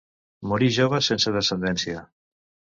Morí jove sense descendència.